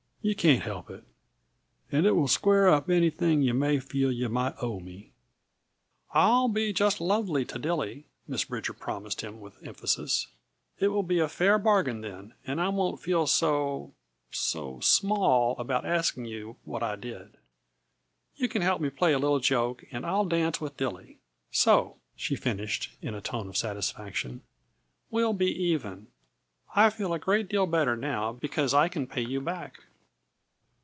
You can't help it. And it will square up anything yuh may feel yuh might owe me " "I'll be just lovely to Dilly," Miss Bridger promised him with emphasis. "It will be a fair bargain, then, and I won't feel so so small about asking you what I did. You can help me play a little joke, and I'll dance with Duly. So," she finished in a tone of satisfaction, "we'll be even. I feel a great deal better now, because I can pay you back."